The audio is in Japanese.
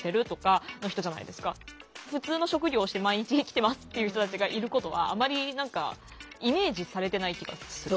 普通の職業をして毎日生きてますっていう人たちがいることはあまり何かイメージされてない気がする。